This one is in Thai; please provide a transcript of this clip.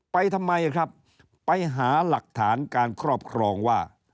ไปทำไมครับไปหาหลักฐานการครอบครองว่า